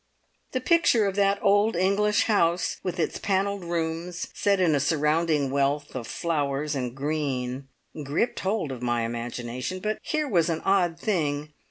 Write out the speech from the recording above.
The picture of that old English house, with its panelled rooms, set in a surrounding wealth of flowers and green, gripped hold of my imagination; but here was an odd thing.